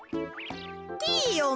ピーヨン